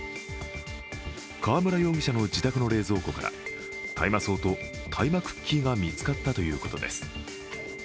川村容疑者の自宅の冷蔵庫から大麻草と大麻クッキーが見つかったということです。